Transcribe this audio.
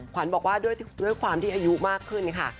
ขวัญบอกว่าด้วยความที่อายุมากขึ้นค่ะ